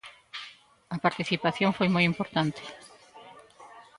A participación foi moi importante.